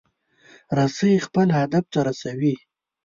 رسۍ خپل هدف ته رسوي.